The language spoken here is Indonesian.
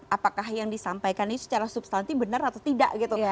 apakah yang disampaikan ini secara substansi benar atau tidak gitu